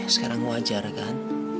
sekarang wajar kan